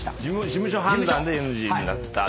事務所判断でＮＧになった。